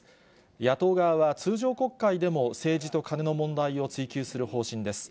野党側は通常国会でも政治とカネの問題を追及する方針です。